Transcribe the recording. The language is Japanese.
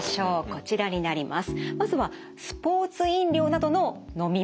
こちらになります。